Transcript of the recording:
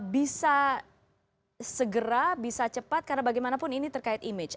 bisa segera bisa cepat karena bagaimanapun ini terkait image